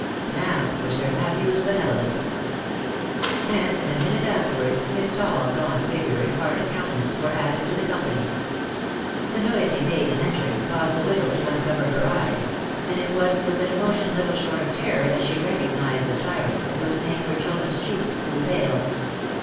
" Now for Sir Matthew's benevolence." And, in a minute afterwards, his tall, gaunt figure, and hard counte nance, were added to the company. The noise he made in entering, caused the widow to uncover her eyes, and it was with an emotion little short of terror that she recognised the tyrant, at whose name her children's cheeks grew pale.